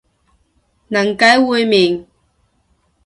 嫩雞煨麵